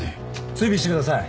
追尾してください。